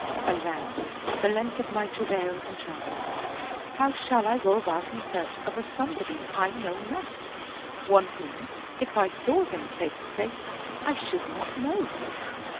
Alas, the length of my travail and travel I How shall I go about in search of a somebody I know not, one whom, if I saw him face to face I should not know